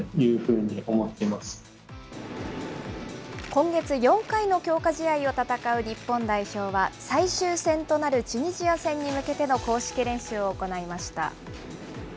今月４回の強化試合を戦う日本代表は、最終戦となるチュニジア戦に向けての公式練習を行いました。